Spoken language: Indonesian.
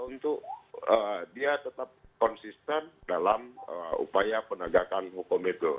untuk dia tetap konsisten dalam upaya penegakan hukum itu